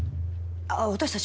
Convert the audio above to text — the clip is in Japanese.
あっ私たちも？